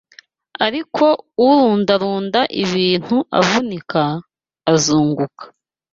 Ariko urundarunda ibintu avunika, azunguka.